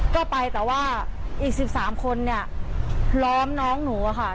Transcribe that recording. ก็ไปแต่ว่าอีก๑๓คนเนี่ยล้อมน้องหนูอะค่ะ